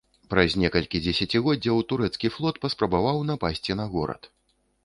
Праз некалькі дзесяцігоддзяў турэцкі флот паспрабаваў напасці на горад.